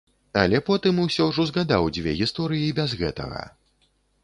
Але потым усё ж узгадаў дзве гісторыі без гэтага.